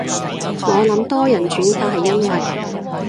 我諗多人轉發係因為